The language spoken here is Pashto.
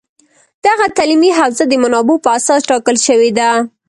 دغه تعلیمي حوزه د منابعو په اساس ټاکل شوې ده